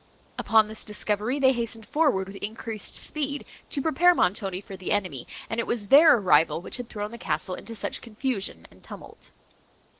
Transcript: Upon this discovery, they hastened forward with increased speed, to prepare Montoni for the enemy; and it was their arrival, which had thrown the castle into such confusion and tumult.